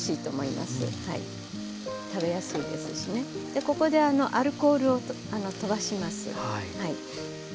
でここでアルコールをとばします。